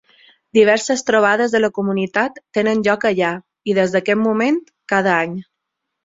Diverses trobades de la comunitat tenen lloc allà, i des d'aquest moment, cada any.